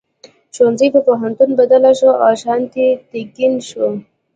ښوونځي په پوهنتون بدل شو او شانتي نیکیتن شو.